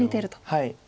はい。